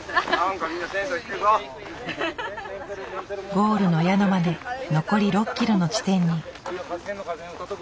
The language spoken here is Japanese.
ゴールの宿まで残り６ｋｍの地点に。